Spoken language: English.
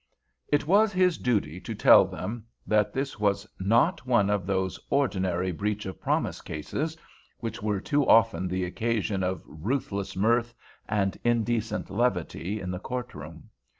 It was his duty to tell them that this was not one of those ordinary "breach of promise" cases which were too often the occasion of ruthless mirth and indecent levity in the courtroom.